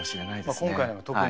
今回のは特に。